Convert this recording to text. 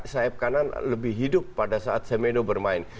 saib kanan lebih hidup pada saat semedo bermain